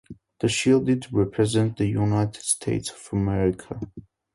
The shield represents the United States of America.